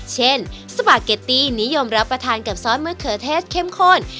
สปาเกตตี้นิยมรับประทานกับซอสมะเขือเทศเข้มข้น